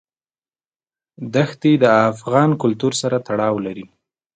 ښتې د افغان کلتور سره تړاو لري.